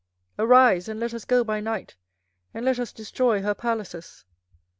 24:006:005 Arise, and let us go by night, and let us destroy her palaces.